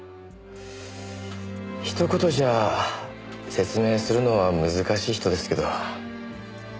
ひと言じゃ説明するのは難しい人ですけど。